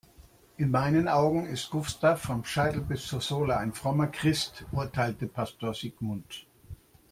In meinen Augen ist Gustav vom Scheitel bis zur Sohle ein frommer Christ, urteilte Pastor Sigmund.